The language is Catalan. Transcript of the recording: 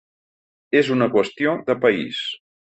És una qüestió de país.